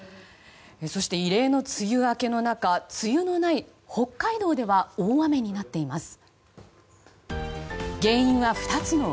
そして、異例の梅雨明けの中梅雨のない北海道では大雨になっています。